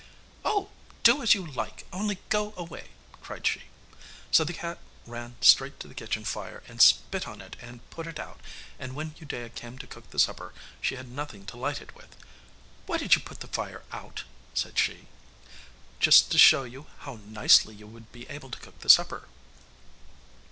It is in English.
'Oh! do as you like, only go away!' cried she. So the cat ran straight to the kitchen fire, and spit on it and put it out, and when Udea came to cook the supper she had nothing to light it with. 'Why did you put the fire out?' asked she. 'Just to show you how nicely you would be able to cook the supper.